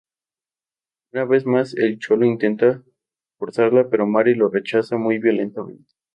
Una vez más el Cholo intenta forzarla pero Mary lo rechaza muy violentamente.